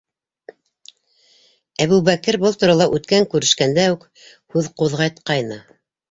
Әбүбәкер был турала үткән күрешкәндә үк һүҙ ҡуҙғатҡайны.